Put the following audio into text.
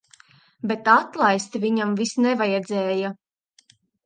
Bet atlaist viņam vis nevajadzēja.